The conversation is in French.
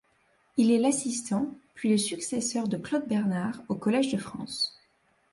Il est l'assistant puis le successeur de Claude Bernard au Collège de France.